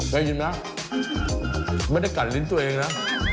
มันไม่ได้กันลิ้นตัวเองนะ